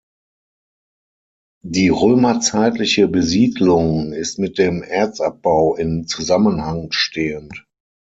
Die römerzeitliche Besiedlung ist mit dem Erzabbau in Zusammenhang stehend.